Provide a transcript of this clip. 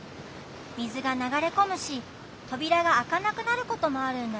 みずがながれこむしとびらがあかなくなることもあるんだよ。